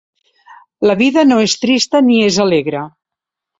La vida no és trista ni és alegra